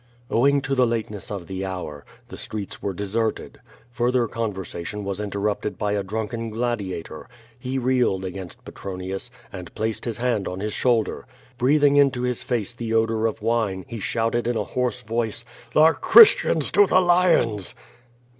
Owing to the lateness of the hour, the streets were de serted. Further conversation was interioipted by a drunken gladiator. He reeled against Petronius, and placed his hand on his shoulder. Breathing into his face the odor of wine, he shouted in a hoarse voice: "The Christians to the lions!"